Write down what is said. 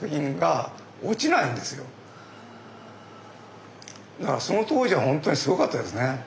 だからその当時は本当にすごかったですね。